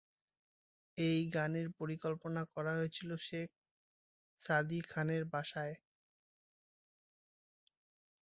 এই গানের পরিকল্পনা করা হয়েছিল শেখ সাদি খানের বাসায়।